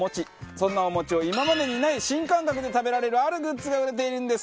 そんなお餅を今までにない新感覚で食べられるあるグッズが売れているんです。